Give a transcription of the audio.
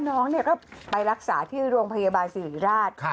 น้องก็ไปรักษาที่โรงพยาบาลสิริราช